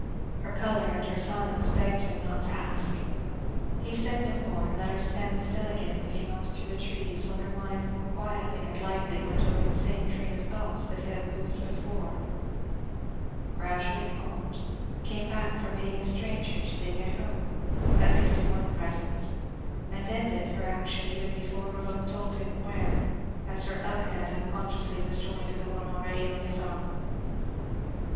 Her colour and her silence begged him not to ask. He said no more, and let her stand still again looking off through the roses, while her mind more quietly and lightly went over the same train of thoughts that had moved it before; gradually calmed; came back from being a stranger to being at home, at least in one presence; and ended, her action even before her look told him where, as her other hand unconsciously was joined to the one already on his arm.